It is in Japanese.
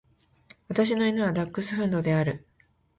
私の犬はダックスフンドである。